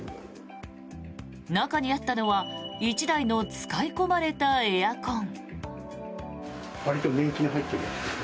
中にあったのは１台の使い込まれたエアコン。